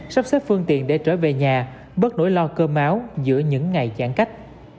sắp xếp phương tiện để trở về nhà bớt nỗi lo cơ máu giữa những ngày giãn cách